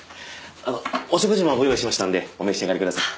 お食事もご用意しましたんでお召し上がりください。